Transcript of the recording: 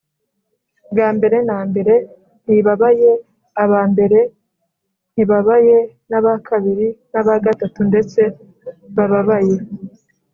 bwa mbere na mbere. ntibabaye aba mbere, ntibabaye n’aba kabiri, n’abagatatu ndetse: babaye